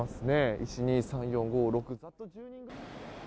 １、２、３、４、５、６。